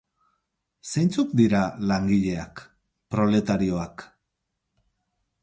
Zeintzuk dira langileak, proletarioak?